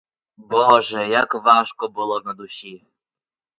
Боже, як важко було на душі!